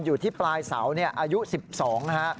อยู่ที่ปลายเสาอายุ๑๒นะฮะ